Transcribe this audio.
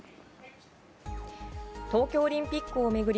東京オリンピックを巡り